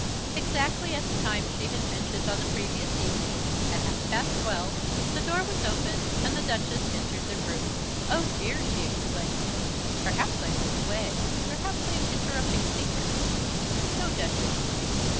Exactly at the time she had mentioned on the previous evening, at half past twelve, the door was opened, and the Duchess entered the room. "Oh dear," she exclaimed, "perhaps I am in the way; perhaps I am interrupting secrets." "No, Duchess."